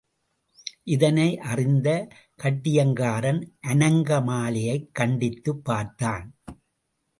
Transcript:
இதனை அறிந்த கட்டியங்காரன் அநங்க மாலையைக் கண்டித்துப் பார்த்தான்.